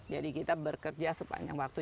jadi kita bekerja sepanjang waktu